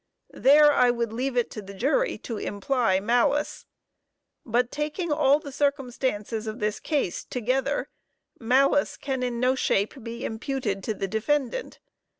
There I should leave it to the jury to imply malice. But taking all _the circumstances of this case together, malice can in no shape be imputed to the defendant.